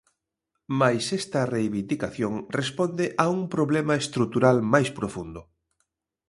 Mais esta reivindicación responde a un problema estrutural máis profundo.